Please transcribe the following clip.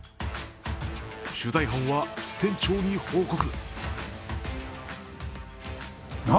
取材班は店長に報告。